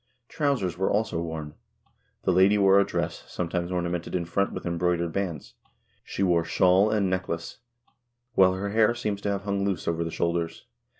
Trou sers were also worn. The lady wore a dress, sometimes ornamented in front with embroidered bands. She wore shawl and necklace, while her hair seems to have hung loose over the shoulders.